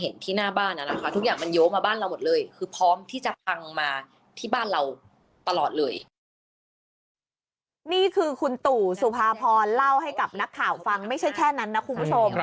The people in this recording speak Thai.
นี่คือคุณตู่สุภาพรเล่าให้กับนักข่าวฟังไม่ใช่แค่นั้นนะคุณผู้ชม